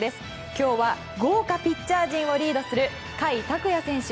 今日は豪華ピッチャー陣をリードする甲斐拓也選手。